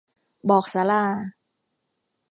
บอกศาลา